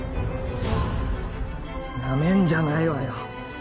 なめんじゃないわよ